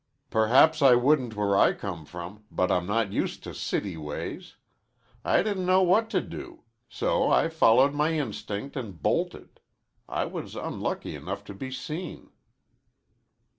"Perhaps I wouldn't where I come from, but I'm not used to city ways. I didn't know what to do. So I followed my instinct an' bolted. I was unlucky enough to be seen."